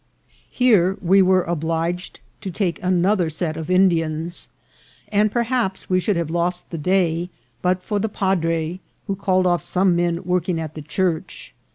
Here we were obliged to take another set of Indians, and perhaps we should have lost the day but for the padre, who called off some men working at the church.